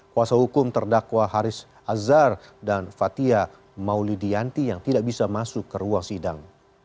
kuasa hukum terdakwa haris azhar dan fathia maulidianti yang tidak bisa masuk ke ruang sidang